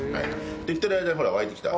言ってる間にほら沸いてきた。